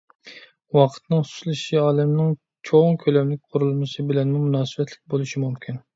ۋاقىتنىڭ سۇسلىشىشى ئالەمنىڭ چوڭ كۆلەملىك قۇرۇلمىسى بىلەنمۇ مۇناسىۋەتلىك بولۇشى مۇمكىن.